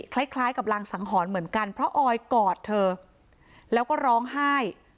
คล้ายกับรังสังหรณ์เหมือนกันเพราะออยกอดเธอแล้วก็ร้องไห้